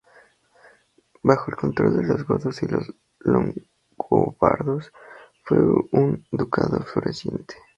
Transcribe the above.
Bajo el control de los godos y los longobardos fue un ducado floreciente.